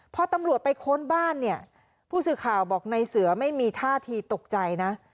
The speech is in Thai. พอตำรวจไปค้นบ้านเนี่ยผู้สื่อข่าวบอกในเสือไม่มีท่าทีตกใจนะ